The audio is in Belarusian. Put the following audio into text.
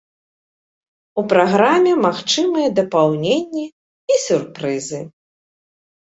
У праграме магчымыя дапаўненні і сюрпрызы.